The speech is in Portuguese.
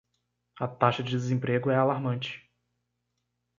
A taxa de desemprego é alarmante.